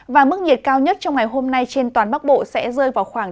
và mức nhiệt cao nhất trong ngày hôm nay trên toàn bắc bộ sẽ rơi vào khoảng